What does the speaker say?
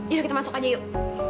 yuk kita masuk aja yuk